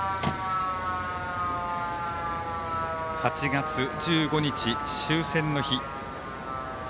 ８月１５日、終戦の日。